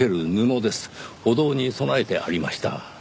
御堂に供えてありました。